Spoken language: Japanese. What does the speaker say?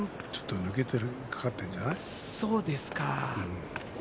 抜きにかかっているんじゃない。